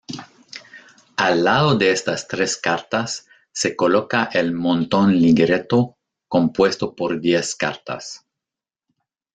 Al lado de estas tres cartas se coloca el montón-ligretto compuesto por diez cartas.